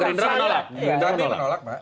berendera menolak pak